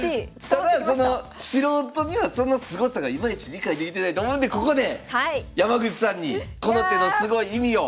ただその素人にはそのすごさがいまいち理解できてないと思うんでここで山口さんにこの手のすごい意味を。